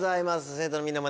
生徒のみんなもね